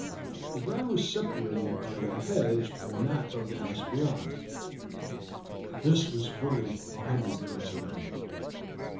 The ground was separated by a hedge from that of the house beyond. This was fully a hundred yards away.